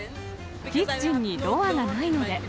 キッチンにドアがないので。